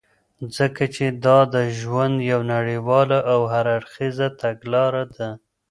ځكه چې دادژوند يو نړيواله او هر اړخيزه تګلاره ده .